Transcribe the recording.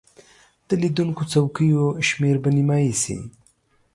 د لیدونکو څوکیو شمیر به نیمایي شي.